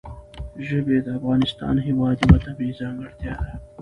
ژبې د افغانستان هېواد یوه طبیعي ځانګړتیا ده.